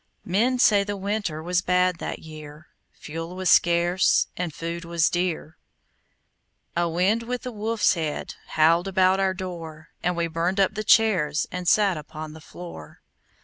Men say the winter Was bad that year; Fuel was scarce, And food was dear. A wind with a wolf's head Howled about our door, And we burned up the chairs And sat upon the floor.